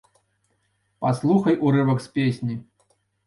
Праслухай урывак з песні.